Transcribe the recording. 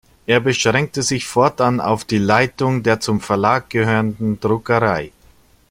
Er beschränkte sich fortan auf die Leitung der zum Verlag gehörenden Druckerei.